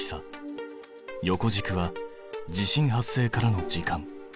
横軸は地震発生からの時間。